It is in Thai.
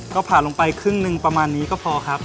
ก็ผ่าลงไปครึ่งหนึ่งประมาณนี้ก็พอครับ